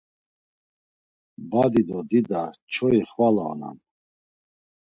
Badi do dida çoi xvala oran.